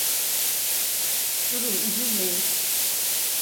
Durun, üzülmeyin…